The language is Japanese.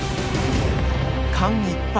間一髪！